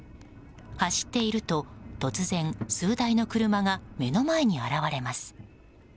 走っていると突然数台の車が目の前に現れます。